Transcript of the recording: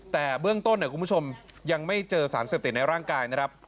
แต่เบื้องต้นคุณผู้ชมยังไม่เจอสารเสพติดในร่างกายนะครับ